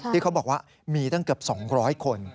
ที่เขาบอกว่ามีตั้งเกือบ๒๐๐คน